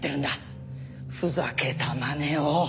ふざけたまねを！